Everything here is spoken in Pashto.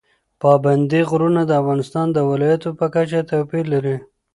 پابندي غرونه د افغانستان د ولایاتو په کچه توپیر لري.